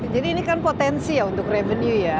jadi ini kan potensi ya untuk revenue ya